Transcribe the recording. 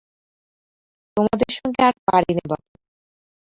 তোদের সঙ্গে আর পারি নে বাপু!